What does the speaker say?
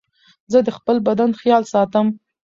زه د خپل بدن خيال ساتم.